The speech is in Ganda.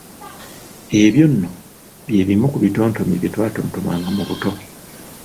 Ebyo nno bye bimu ku bitontome bye twatontomanga mu buto.